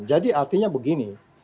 jadi artinya begini